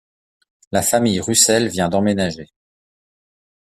La famille Russel vient d’emménager.